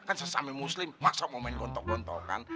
kan sesama muslim masak mau main gontok gontokan